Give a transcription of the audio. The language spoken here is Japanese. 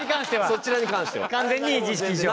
そちらに関しては。